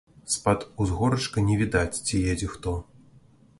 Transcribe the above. З-пад узгорачка не відаць, ці едзе хто.